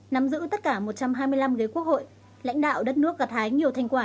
nắm giữ tất cả một trăm hai mươi năm ghế quốc hội lãnh đạo đất nước gặt hái nhiều thành quả